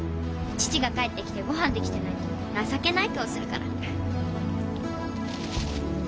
父が帰ってきて御飯出来てないと情けない顔するから。